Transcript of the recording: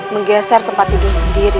menggeser tempat tidur sendiri